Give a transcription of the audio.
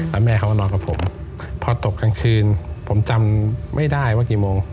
แล้วแม่เขาก็นอนกับผมพอตกกลางคืนผมจำไม่ได้ว่ากี่โมง